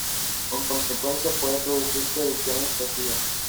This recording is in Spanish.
En consecuencia, pueden producirse erupciones explosivas.